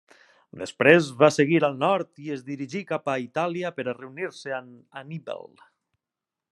Després va seguir al nord i es dirigí cap a Itàlia per reunir-se amb Anníbal.